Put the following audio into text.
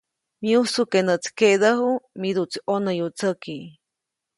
Myujsu ke näʼtsi keʼdäju, miduʼtsi ʼonäwyätsäki.